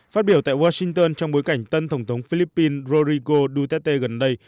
phát biểu tại washington trong bối cảnh tân tổng thống philippines rodrigo duterte gần đây